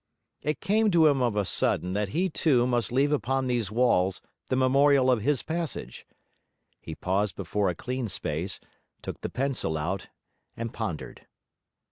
It came to him of a sudden that he too must leave upon these walls the memorial of his passage. He paused before a clean space, took the pencil out, and pondered.